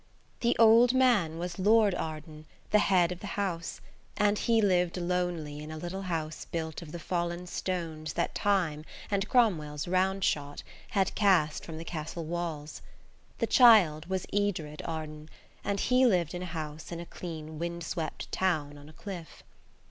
The old man was Lord Arden, the head of the house, and he lived lonely in a little house built of the fallen stones that Time and Cromwell's round shot had cast from the castle walls. The child was Edred Arden, and he lived in a house in a clean, wind swept town on a cliff.